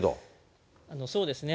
そうですね。